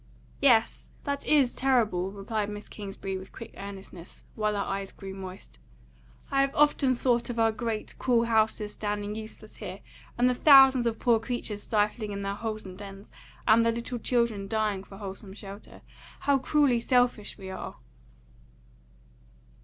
"Yes, that is terrible," replied Miss Kingsbury, with quick earnestness, while her eyes grew moist. "I have often thought of our great, cool houses standing useless here, and the thousands of poor creatures stifling in their holes and dens, and the little children dying for wholesome shelter. How cruelly selfish we are!"